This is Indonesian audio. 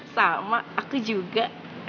sama aku juga